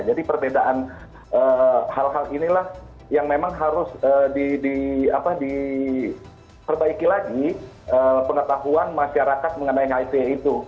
jadi perbedaan hal hal inilah yang memang harus diperbaiki lagi pengetahuan masyarakat mengenai hiv itu